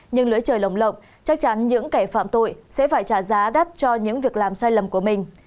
nhưng lưới trời lồng lộng chắc chắn những kẻ phạm tội sẽ phải trả giá đắt cho những việc làm sai lầm của mình